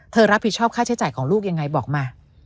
รับผิดชอบค่าใช้จ่ายของลูกยังไงบอกมา